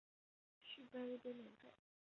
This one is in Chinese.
续杯一杯免费